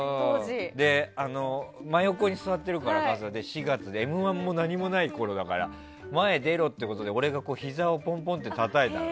真横に座ってるから「Ｍ‐１」も何もないころだから前に出ろってことで俺がひざをポンポンってたたいたの。